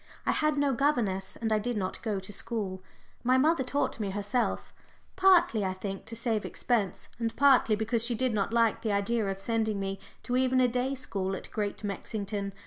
I had no governess and I did not go to school. My mother taught me herself, partly, I think, to save expense, and partly because she did not like the idea of sending me to even a day school at Great Mexington.